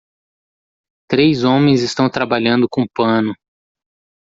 Três homens estão trabalhando com pano.